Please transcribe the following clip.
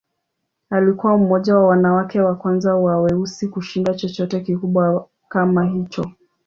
Alikuwa mmoja wa wanawake wa kwanza wa weusi kushinda chochote kikubwa kama hicho.